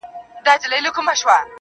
ستا سومه، چي ستا سومه، چي ستا سومه.